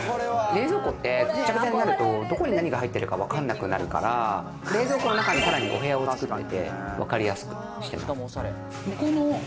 冷蔵庫ってぐっちゃぐちゃになるとどこに何が入ってるか分かんなくなるから冷蔵庫の中にさらにお部屋を作ってて分かりやすくしてます。